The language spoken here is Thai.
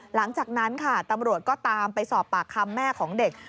หลังจากนั้นค่ะตำรวจก็ตามไปสอบปากคำแม่ของเด็ก